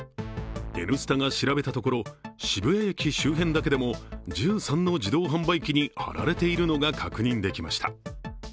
「Ｎスタ」が調べたところ渋谷駅周辺だけでも１３の自動販売機に貼られているのが確認できました。